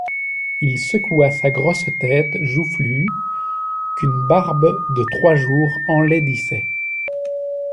Il secoua sa grosse tête joufflue, qu'une barbe de trois jours enlaidissait.